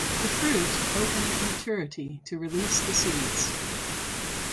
The fruit open at maturity to release the seeds.